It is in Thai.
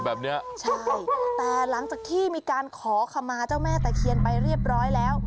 แบบเนี้ยใช่แต่หลังจากที่มีการขอขมาเจ้าแม่ตะเคียนไปเรียบร้อยแล้ว